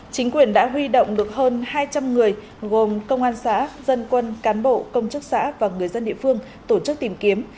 chính quyền đã huy động được hơn hai trăm linh người gồm công an xã dân quân cán bộ công chức xã và người dân địa phương tổ chức tìm kiếm